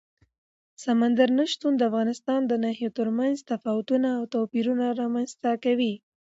سمندر نه شتون د افغانستان د ناحیو ترمنځ تفاوتونه او توپیرونه رامنځ ته کوي.